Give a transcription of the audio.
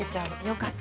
よかった。